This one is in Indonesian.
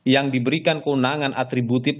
yang diberikan kewenangan atributif